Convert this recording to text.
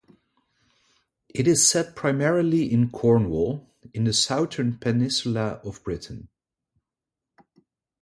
It is set primarily in Cornwall in the southern peninsula of Britain.